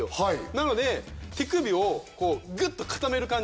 なので手首をグッと固める感じ。